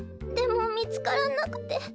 でもみつからなくて。